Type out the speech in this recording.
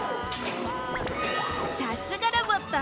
さすがロボット！